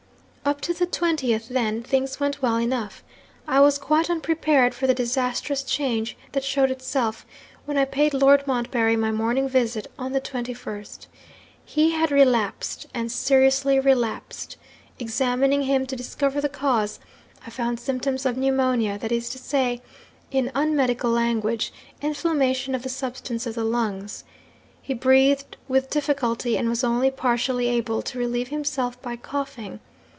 '"Up to the 20th, then, things went well enough. I was quite unprepared for the disastrous change that showed itself, when I paid Lord Montbarry my morning visit on the 21st. He had relapsed, and seriously relapsed. Examining him to discover the cause, I found symptoms of pneumonia that is to say, in unmedical language, inflammation of the substance of the lungs. He breathed with difficulty, and was only partially able to relieve himself by coughing.